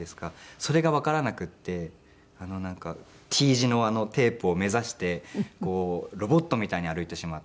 それがわからなくってＴ字のテープを目指してこうロボットみたいに歩いてしまって。